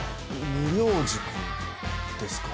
無料塾ですか。